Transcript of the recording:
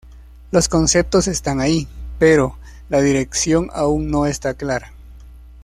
Los conceptos están ahí, pero la dirección aún no está clara.